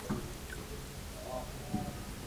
شعر ځینې وختونه موزیکي اغیز لري.